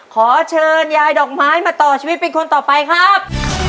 ขอเชิญยายดอกไม้มาต่อชีวิตเป็นคนต่อไปครับ